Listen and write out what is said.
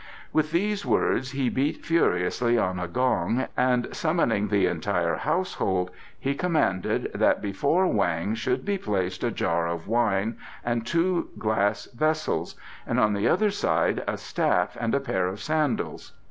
With these words he beat furiously on a gong, and summoning the entire household he commanded that before Weng should be placed a jar of wine and two glass vessels, and on the other side a staff and a pair of sandals.